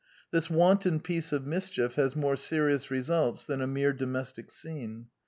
This wanton piece of mischief has more serious results than a mere domestic scene.